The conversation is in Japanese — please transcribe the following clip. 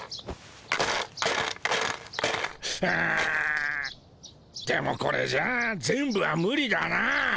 うんでもこれじゃあ全部はムリだな。